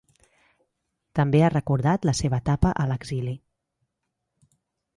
També ha recordat la seva etapa a l’exili.